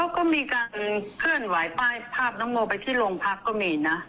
ก็มีการเคลื่อนไหวป้ายภาพน้องโมไปที่โรงพักก็มีนะ